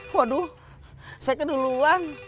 waduh saya kedua luang